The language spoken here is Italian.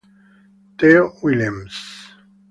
Theo Willems